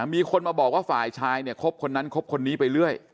มีคนมาบอกว่าฝ่ายชายเนี่ยคบคนนั้นคบคนนี้ไปเรื่อย